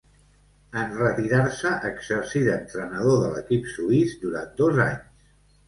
En retirar-se exercí d'entrenador de l'equip suís durant dos anys.